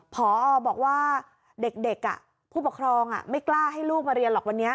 พอบอกว่าเด็กผู้ปกครองไม่กล้าให้ลูกมาเรียนหรอกวันนี้